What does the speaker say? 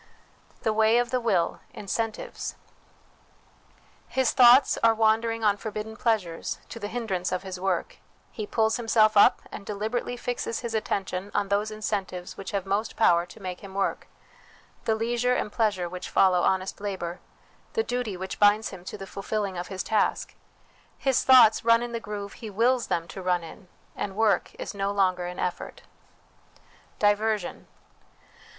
The Way of the Will Incentives. His thoughts are wandering on forbidden pleasures, to the hindrance of his work ; he pulls himself up, and deliberately fixes his attention on those incentives which have most power to make him work, the leisure and pleasure which follow honest labour, the duty which binds him to the fulfilling of his task. His thoughts run in the groove he wills them to run in, and work is no longer an effort. Diversion.